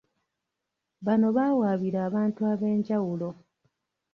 Bano baawaabira abantu ab'enjawulo